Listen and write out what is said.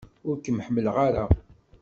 Ur ken-ḥemmleɣ ara.